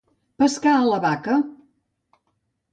Pescar a la vaca.